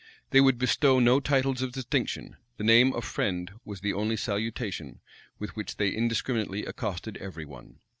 They would bestow no titles, of distinction: the name of "friend" was the only salutation, with which they indiscriminately accosted every one.